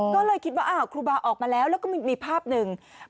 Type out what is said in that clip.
ก็เลยคิดว่าครูบาออกมาแล้วแล้วก็มีภาพหนึ่ง